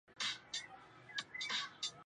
讨论节目以社会科学为话题。